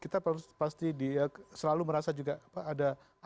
kita pasti selalu merasa juga ada apa lagi nih